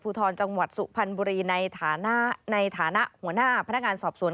ทรจังหวัดสุพรรณบุรีในฐานะในฐานะหัวหน้าพนักงานสอบสวน